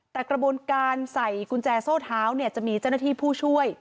แต่กระบวนการใส่กุญแจโซ่เท้าเนี่ยจะมีเจ้าหน้าที่ผู้ช่วย